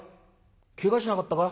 けがしなかったか？